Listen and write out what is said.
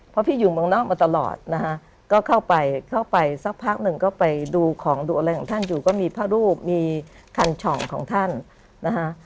เพราะพี่อยู่เมืองนอกมาตลอดนะฮะก็เข้าไปเข้าไปสักพักหนึ่งก็ไปดูของดูอะไรของท่านอยู่ก็มีพระรูปมีคันช่องของท่านนะคะ